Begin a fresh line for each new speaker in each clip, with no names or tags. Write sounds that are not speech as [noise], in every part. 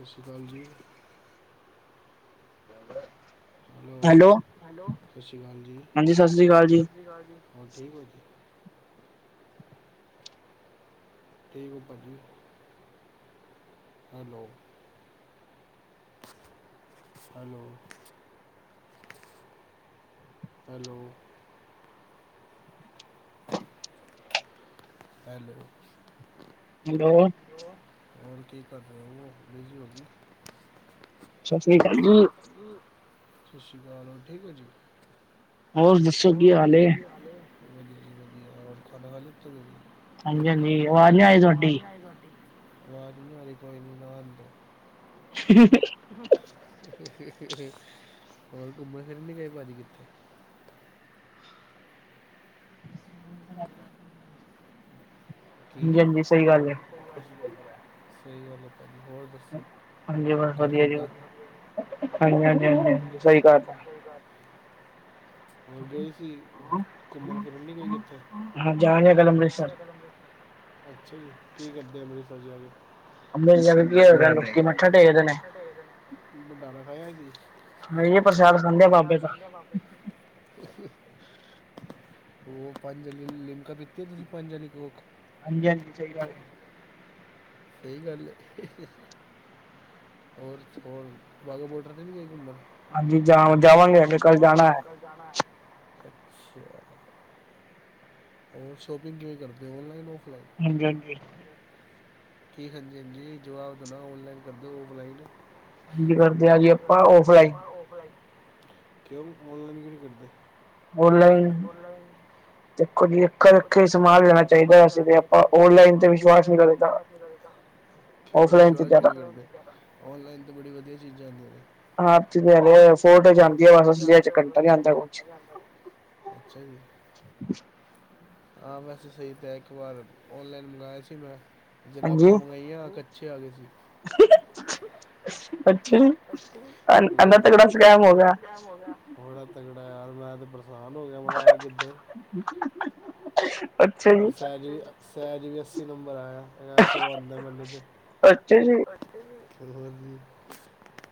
ਸਤਿ ਸ਼੍ਰੀ ਅਕਾਲ ਜੀ। ਹੈਲੋ, ਹੈਲੋ ਸਤਿ ਸ਼੍ਰੀ ਅਕਾਲ ਜੀ
ਹਾਂਜੀ ਸਤਿ ਸ਼੍ਰੀ ਅਕਾਲ
ਹਾਂਜੀ
ਜੀ।
ਸਤਿ ਸ਼੍ਰੀ ਅਕਾਲ ਜੀ ਹੋਰ ਠੀਕ ਹੋ ਜੀ। ਠੀਕ ਹੋ ਭਾਜੀ। Hello. Hello. Hello. Hello.
Hello.
Hello ਹੋਰ ਕੀ ਕਰ ਰਹੇ ਹੋ ਬਿਜ਼ੀ ਹੋ ਕੀ?
ਸਤਿ ਸ੍ਰੀ ਅਕਾਲ ਜੀ।
ਸਸ ਸ੍ਰੀ ਕਾਲ ਹੋਰ ਠੀਕ ਹੋ ਜੀ।
ਹੋਰ ਦੱਸੋ
ਹੋਰ
ਕੀ ਹਾਲ
ਦੱਸੋ
ਏ?
ਕੀ ਹਾਲ ਹੈ ਵਧੀਆ ਜੀ ਵਧੀਆ, ਹੋਰ ਖਾਣਾ ਖਾ ਲਿਤਾ ਤੁਸੀਂ।
ਹਾਂਜੀ ਹਾਂਜੀ ਆਵਾਜ਼ ਨੀ ਆਈ
ਹਾਂਜੀ-ਹਾਂਜੀ ਅਵਾਜ਼
ਤੁਹਾਡੀ।
ਨਹੀਂ ਆਈ ਤੁਹਾਡੀ, ਅਵਾਜ਼ ਨਹੀ ਆ ਰਹੀ ਕੋਈ ਨਾ ਆਨ ਦੋ।
ਹੂੰ।
ਹੋਰ ਘੁੰਮਣ ਫਿਰਨ ਨਹੀਂ ਗਏ ਭਾਜੀ ਕੀਤੇ। ਕੀ [unintelligible]
ਹਾਂਜੀ ਹਾਂਜੀ ਸਹੀ ਗੱਲ ਏ।
ਸਹੀ ਗੱਲ ਹੈ ਭਾਜੀ ਹੋਰ ਦੱਸੋ।
ਹਾਂਜੀ ਬਸ
ਘਰ
ਵਧੀਆ ਜੀ
ਕਿੱਦਾਂ ਵਧੀਆ ਜੀ
ਹਾਂਜੀ-ਹਾਂਜੀ, ਹਾਂਜੀ ਸਹੀ ਗੱਲ ਹੈ।
ਸਹੀ ਗੱਲ ਐ। ਹੋਰ ਗਏ ਸੀ ਘੁੰਮਣ ਫਿਰਨ ਨਹੀਂ ਗਈ ਕਿੱਥੇ।
ਹਾਂ ਜਾ ਰਹੇ ਹਾਂ ਕੱਲ ਅੰਮ੍ਰਿਤਸਰ।
ਇਹ ਗੱਲ ਅੰਮ੍ਰਿਤਸਰ ਅੱਛਾ ਜੀ ਕੀ ਕਰਦੇ ਅੰਮ੍ਰਿਤਸਰ ਜਾ ਕੇ।
ਅੰਮ੍ਰਿਤਸਰ ਜਾ ਕੇ ਕੀ
ਜੇ
ਹੋਏਗਾ
ਜਲਦੀ
ਲੋਕੀ ਮੱਥਾ
ਹੋਵੇ
ਟੇਕਦੇ
ਫੇਰ
ਨੇ।
ਮੱਥਾ ਟੇਕ ਦੇ ਨੇ, ਭੰਡਾਰਾ ਖਾਇਆ ਜੀ।
ਨਹੀਂ ਪ੍ਰਸ਼ਾਦ ਖਾਂਦੇ
[unintelligible]
ਆ
ਪ੍ਰਸ਼ਾਦ
ਬਾਬੇ ਦਾ।
ਖਾਦਾ ਬਾਬੇ ਦਾ। ਉਹ ਪੰਜ ਵਾਰੀ ਲਿਮਕਾ ਪੀਤੀ ਹ ਤੁਸੀਂ ਪੰਜ ਵਾਲੀ ਕੋਕ।
ਹਾਂਜੀ-ਹਾਂਜੀ ਚਾਹੀਦਾ ਵੀ ਏ।
ਸਹੀ ਗੱਲ ਹੈ। ਹੋਰ ਹੋ ਬਾਘਾ ਬੋਡਰ ਤੇ ਨਹੀ ਜਾਈਦਾ ਹੁੰਦਾ
ਹਾਂਜੀ ਜਾ ਜਾਵਾਂਗੇ ਹਜੇ ਕੱਲ ਜਾਣਾ ਹੈ।
ਜਾਣਾ ਹੈ ਅੱਛਾ ਹੋਰ ਸ਼ੋਪਿੰਗ ਕਿਵੇਂ ਕਰਦੇ ਔਨਲਾਈਨ ਔਫਲਾਈਨ
ਹਾਂਜੀ -। ਹਾਂਜੀ
ਠੀਕ ਹਾਂਜੀ- ਹਾਂਜੀ ਜਵਾਬ ਦੇਣਾ ਔਨਲਾਈਨ ਕਰ ਦਿਓ ਔਫਲਾਈਨ
ਹਾਂਜੀ ਕਰ
[unintelligible] ਕਿਉਂ ਔਨਲਾਈਨ ਕਿਉ ਨੀ ਕਰਦੇ।
ਔਨਲਾਈਨ
ਔਨਲਾਈਨ
ਦੇਖੋ ਜੀ ਇੱਕ
ਦੇਖੋ
ਰੱਖ
ਜੀ
ਸਮਾਨ ਲੈਣਾ ਚਾਹੀਦਾ
ਸਮਾਨ
ਅਸੀ
ਲੈਣਾ
ਤੇ ਆਪਾਂ
ਚਾਹੀਦਾ ਅਸੀਂ
ਓਨਲਾਈਨ
ਆਪਾਂ
ਤੇ ਵਿਸ਼ਵਾਸ ਨੀ
ਔਨਲਾਈਨ ਤੇ
ਕਰੀ ਦਾ।
ਵਿਸ਼ਵਾਸ ਨਹੀਂ ਕਰਦਾ ਵਿਸ਼ਵਾਸ ਕਿਉ ਨਹੀਂ ਕਰਦੇ ਔਨਲਾਈਨ ਤਾ ਬੜੀ ਵਧੀਆ ਚੀਜ਼ਾਂ ਆਉਂਦੀਆਂ ਨੇ।
ਹਾਂ ਤੇ ਫੋਟੋ ਜਾਂਦੀ ਹੈ ਬਸ ਅਸਲੀਅਤ ਚ ਘੰਟਾ ਨੀ ਆਂਦਾ ਕੁਛ
[unintelligible] ਅੱਛਾ ਜੀ।
ਅ
ਹਾਂ ਵੈਸੇ ਸਹੀ ਤੇ ਇੱਕ ਵਾਰ ਔਨਲਾਈਨ ਮੰਗਵਾਆ ਸੀ ਮੈਂ ਜਰਾਬਾਂ
ਹਾਂਜੀ
ਮੰਗਵਾਾਈਆਂ ਕ ਕੱਛੇ ਆ ਗਏ ਸੀ।
ਅੱਛਾ
ਅੱਛਾ
ਇੰਨਾ ਤਗੜਾ
ਬੜਾ
ਸਕੈਮ ਹੋ
ਤਗੜਾ
ਗਿਆ
ਸਕੈਮ ਹੋ ਗਿਆ, ਬੜਾ ਤਗੜਾ ਯਾਰ ਮੈਂ ਤੇ ਪਰੇਸ਼ਾਨ ਕਿਸਾਨ ਹੋ ਗਿਆ ਮਗਾਇਆ ਕਿੱਧਰ
[inaudible]
ਰ
ਜੀ
ਸਹਿ ਸਹਿਜ ਵੀ ਅੱਸੀ ਨੰਬਰ ਆਇਆ ਸੌ ਆਉਂਦਾ ਮੈਨ ਤੇ
ਅੱਛਾ ਜੀ
ਖਿਲਵਾ ਜੀ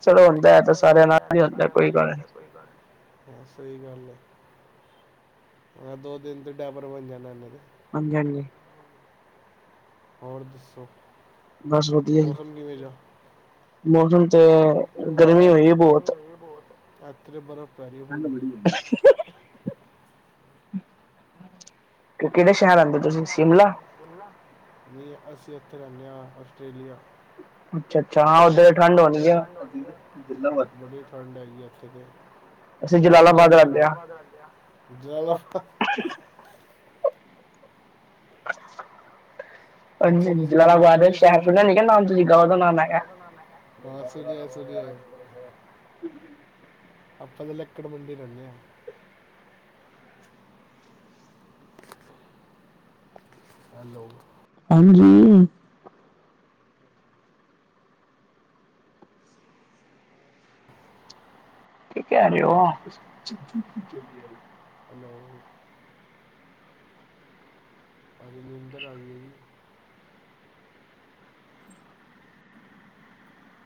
ਚਲੋ ਹੁੰਦਾ ਹੈ ਤਾਂ ਸਾਰਿਆਂ ਨਾਲ ਹੀ ਹੁੰਦਾ
ਸਾਰਿਆਂ
ਕੋਈ
ਨਾਲ
ਗੱਲ ਨੀ
ਕੋਈ ਗੱਲ ਨਹੀ ਸਹੀ ਗੱਲ ਹਾਂ ਦੋ ਦਿਨ ਤੋਂ ਡਾਬਰ ਬਣ ਜਾਣੇ ਤੇ
ਹਾਂਜੀ- ਹਾਂਜੀ।
ਹੋਰ ਦੱਸੋ,
ਬਸ ਵਧੀਆ ਜੀ
ਮੌਸਮ ਨਵੇਜਾ
ਮੌਸਮ ਤੇ
ਮੌਸਮ
ਗਰਮੀ ਹੋਈ ਬਹੁਤ
ਗਰਮੀ ਬਹੁਤ ਹੋਈ ਐਕਚੁਲੀ ਬਰਫ਼ ੁਰੀ ਬੋਲਦੀਆਂਆਂ [unintelligible]
ਕਿਹੜੇ ਸ਼ਹਿਰ ਆਂਦੇ
ਕਿਹੜੇ
ਤੁਸੀਂ
ਸ਼ਹਿਰ ਆਉਦੇ ਪਏ
ਸ਼ਿਮਲਾ
ਹੋ ਸਿਮਲਾ ਨਹੀ ਅਸੀਂ ਉੱਥੇ ਰਹਿੰਦੇ ਹਾਂ ਆਸਟ੍ਰੇਲੀਆ
ਅੱਛਾ ਅੱਛਾ ਹਾਂ ਉੱਧਰ ਠੰਡ
ਹ
ਹੋਣੀ
ਓਧਰ
ਆ
ਠੰਡ ਹੋਣੀ ਠੰਡ ਹੈਗੀ ਇਥੇ ਤੇ
ਅਸੀਂ
ਚਾਹ ਵੀ ਚ
ਜਲਾਲਾਬਾਦ ਰਹਿੰਦੇ ਹਾਂ
ਜ਼ਿਆਦਾ
[inaudible]
ਅੱਛਾ ਤੁਸੀਂ ਉਹ ਨਾਮ
ਜਲਾਲਾਬਾਦ
ਸੁਣਿਆ ਸੁ
ਸ਼ਹਿਰ ਨੀ ਨਾਮ ਤੁਸੀਂ ਉਹਦਾ ਨਾਮ ਹੈਗਾ
ਹਾਂ ਸਰੀਆ ਸਰੀਆ ਆਪਾਂ ਤਾਂ ਲਕੜ ਮੰਡੀ ਰਹਿੰਦੇ ਹਾਂ ਹੈਲੋ
ਹਾਂਜੀ ਕੀ ਕਹਿ ਰਹੇ ਹੋ
ਹੈਲੋ ਅਜਨੀ ਅੰਦਰ ਆਈ ਹੈ ਜੀ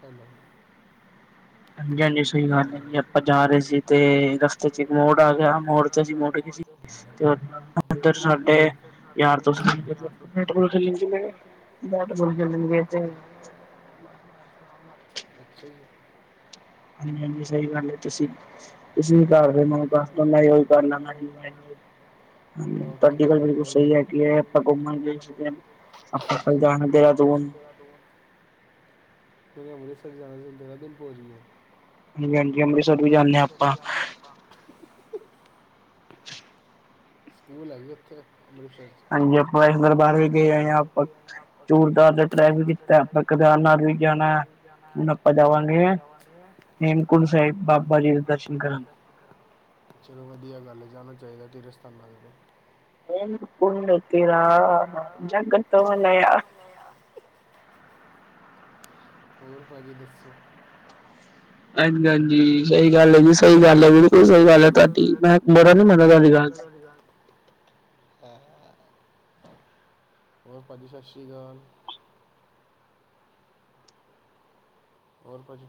ਹੈਲੋ
ਹਾਂਜੀ- ਹਾਂਜੀ। ਸਹੀ ਗੱਲ ਹੈ ਜੀ ਆਪਾਂ ਜਾ ਰਹੇ ਸੀ ਤੇ ਰਸਤੇ ਚ ਇੱਕ ਮੋੜ ਆ ਗਿਆ ਮੋੜ ਤੇ ਅਸੀ ਮੁੜ ਗਏ ਸੀ ਤੇ ਅਧ ਸਾਡੇ ਯਾਰ ਦਸਤ ਬੈਬ ਖੇ ਬੈਟ ਬੁਲ ਖੇਲਣ ਗ ਤੇ [unintelligible]
ਅੱਛਾ ਜੀ
ਅ ਸਹੀ ਗੱਲ ਤੁਸੀਂ ਤੁਸੀਂ ਨ ਕਰਦੇ ਮਨ ਦਸਨਾ ਹੀ ਉਹੀ ਕਰ ਲੈਂਦਾ ਜ ਹਾਂਜੀ
ਓਕੇ
ਤੁਹਾਡੀ ਗੱਲ
ਭਾਜੀ
ਬਿਲਕੁਲ
ਹੋਰ ਦ-
ਸਹੀ ਹੈ ਕਿ ਇਹ ਆਪਾਂ ਘੁੰਮਣ ਗਏ ਸੀ। ਆਪਾਂ ਕਲ ਜਾਣਾ ਦੇਹਰਾਦੂਨ
ਦੋ ਕਿਉਕਿ ਅੰਮ੍ਰਿਤਸਰ ਜਾਣੇ ਤੋ ਦੇਹਰਾਦੂਨ ਪਹੁੰਚ ਗਏ
ਹਾਂਜੀ -ਹਾਂਜੀ ਅੰਮ੍ਰਿਤਸਰ ਵੀ ਜਾਂਦੇ ਹਾਂ ਆਪਾਂ
ਡੱਬਾਂ ਸਕੂਲ ਹੈਗੀ ਉੱਥੇ ਅੰਮ੍ਰਿਤਸਰ '
ਹਾਂਜੀ ਆਪਾਂ ਇਸ ਦਰਬਾਰ ਵੀ ਗੇ ਹੋਏ ਆਂ ਆਪਾਂ ਚੂਰਦਾਰ ਦਾ ਟਰੈਕ ਵੀ ਕੀਤਾ ਆਪਾਂ। ਕੇਦਾਰ ਨਾਥ ਵੀ ਜਾਣੈ ਹੁਣ ਆਪਾਂ ਜਾਵਾਂਗੇ ਹੇਮਕੁੰਟ ਸਾਹਿਬ ਬਾਬਾ ਜੀ ਦੇ ਦਰਸ਼ਨ ਕਰਨ
ਚਲੋ ਵਧੀਆ ਗੱਲ ਜਾਣਾ ਚਾਹੀਦਾ ਤੀਰਥ ਸਥਾਨਾਂ ਤੇ
ਕੁਣਤੀਰਾ ਜਗਤਵਲ ਯ
ਮ ਹੋਰ ਭਾਜੀ ਦੱਸੋ ਹਾਂਜੀ
ਹਾਂਜੀ-ਹਾਂਜੀ ਸਹੀ
ਹਾਂਜੀ
ਗੱਲ ਹੈ ਜੀ
ਸਹੀ ਗੱਲ ਹੈ ਸਹੀ
ਬਿਲਕੁਲ
ਗ ਗ
ਗੱਲ ਹੈ
ਤੁ
ਤੁਹਾਡੀ ਬੁਰਾ
ਮੈਂ
ਮੰਨਦਾ
ਬਤਾ ਨੀ
ਤੁਹਾਡੀ ਦਾ।
ਮੇਰਾ ਗੱਲ ਅ ਗਾਨ ਹੋਰ ਭਾਜੀ ਸਤਿ ਸ਼੍ਰੀ ਅਕਾਲ ਹੋਰ ਕੁਝ